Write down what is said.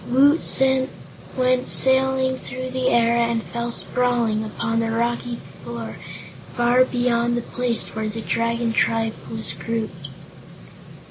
Woot went sailing through the air and fell sprawling upon the rocky floor far beyond the place where the Dragon Tribe was grouped.